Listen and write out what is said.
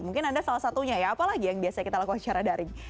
mungkin anda salah satunya ya apalagi yang biasa kita lakukan secara daring